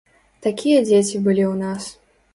Такія дзеці былі ў нас.